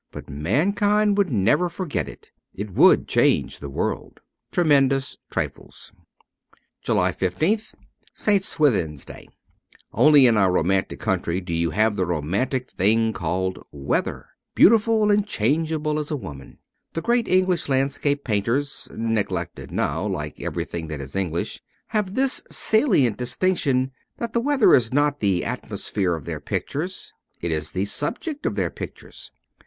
But mankind would never forget it. It would change the world. ' Tremendous Trifles.' 216 JULY 15th ST. SWITHIN'S DAY ONLY in our romantic country do you have the romantic thing called weather — beautiful and changeable as a woman. The great English landscape painters (neglected now, like everything that is English) have this salient dis tinction, that the weather is not the atmosphere of their pictures : it is the subject of their pictures.